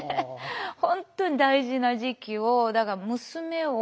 本当に大事な時期をだから娘を。